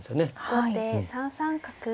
後手３三角。